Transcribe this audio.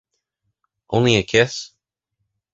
Only a kiss?